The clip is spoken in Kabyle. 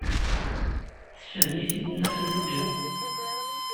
Tessefhem-it-id Nna Xelluǧa.